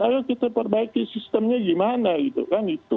ayo kita perbaiki sistemnya gimana gitu kan itu